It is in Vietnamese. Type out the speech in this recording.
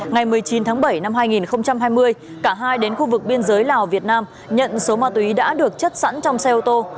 ngày một mươi chín tháng bảy năm hai nghìn hai mươi cả hai đến khu vực biên giới lào việt nam nhận số ma túy đã được chất sẵn trong xe ô tô